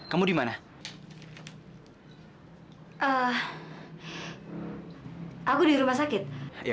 kamu sama saja